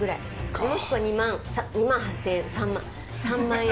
もしくは２万８，０００円３万３万円。